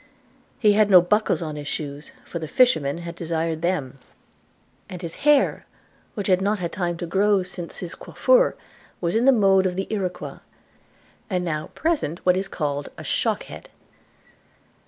He had no buckles in his shoes, for the fishermen had desired them; and his hair, which had not had time to grow long since his coiffure, was in the mode of the Iroquois, and now present what is called a shock head.